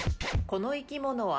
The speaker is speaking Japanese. この生き物は？